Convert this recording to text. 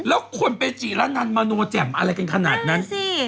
แล้วคนไปจีระนันมโนแจ่มอะไรกันขนาดนั้น